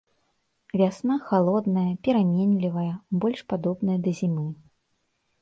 Вясна халодная, пераменлівая, больш падобная да зімы.